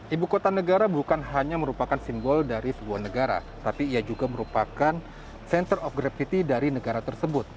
ibu kota negara bukan hanya merupakan simbol dari sebuah negara tapi ia juga merupakan center of gravity dari negara tersebut